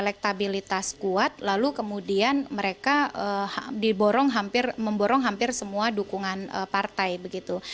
elektabilitas kuat lalu kemudian mereka memborong hampir semua dukungan partai